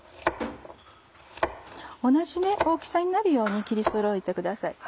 同じ大きさになるように切りそろえてください。